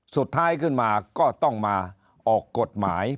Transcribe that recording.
สุดท้ายขึ้นมาก็ต้องมาออกกฎหมาย